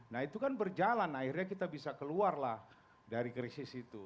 nah itu kan berjalan akhirnya kita bisa keluar lah dari krisis itu